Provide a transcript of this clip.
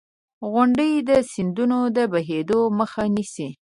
• غونډۍ د سیندونو د بهېدو مخه نیسي.